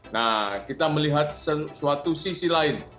nah kita melihat suatu sisi lain